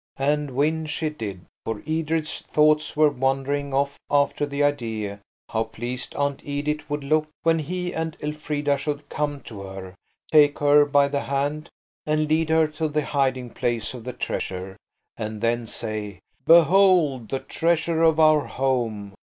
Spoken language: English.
And win she did, for Edred's thoughts were wandering off after the idea how pleased Aunt Edith would look when he and Elfrida should come to her, take her by the hand, and lead her to the hiding place of the treasure, and then say, "Behold the treasure of our home!